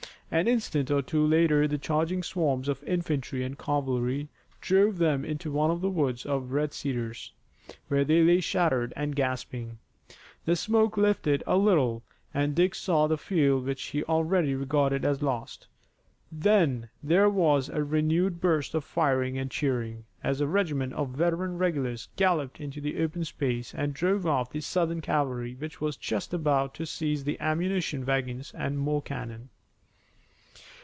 An instant or two later the charging swarms of infantry and cavalry drove them into one of the woods of red cedars, where they lay shattered and gasping. The smoke lifted a little, and Dick saw the field which he already regarded as lost. Then there was a renewed burst of firing and cheering, as a regiment of veteran regulars galloped into the open space and drove off the Southern cavalry which was just about to seize the ammunition wagons and more cannon.